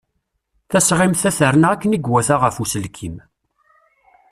Tasɣimt-a terna akken i iwata ɣef uselkim.